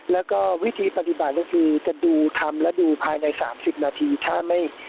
แล้วก็วิธีปฏิบัติก็คือจะดูทำและดูภายใน๓๐นาทีถ้าไม่